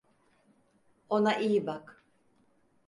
Ona iyi bak.